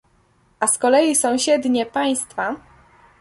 A z kolei sąsiednie państwa